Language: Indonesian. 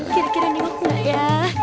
kira kira nengok ngelak ya